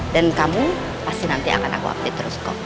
dan kamu pasti nanti akan aku hapi terus kok